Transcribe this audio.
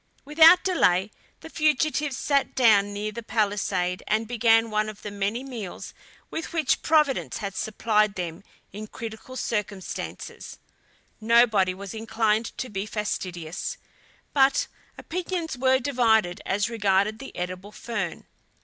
Without delay, the fugitives sat down near the palisade, and began one of the many meals with which Providence had supplied them in critical circumstances. Nobody was inclined to be fastidious, but opinions were divided as regarded the edible fern.